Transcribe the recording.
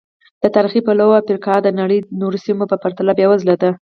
له تاریخي پلوه افریقا د نړۍ نورو سیمو په پرتله بېوزله ده.